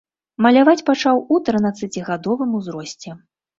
Маляваць пачаў у трынаццацігадовым узросце.